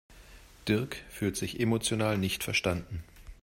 Dirk fühlt sich emotional nicht verstanden.